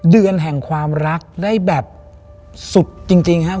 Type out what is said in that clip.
เดือนแห่งความรักได้แบบสุดจริงครับ